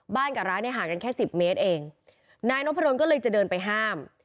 บ้านกับร้านห่างกันแค่๑๐เมตรเองนายน้อพะดนต์ก็เลยจะเดินไปห้าม